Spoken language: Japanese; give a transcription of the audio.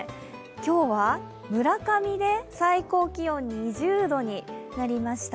今日は村上で最高気温２０度になりました。